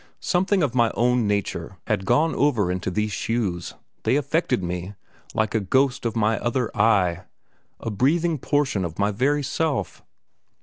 Something of my own nature had gone over into these shoes; they affected me, like a ghost of my other I a breathing portion of my very self.